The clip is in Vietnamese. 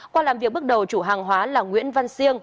qua làm việc bước đầu chủ hàng hóa là nguyễn văn siêng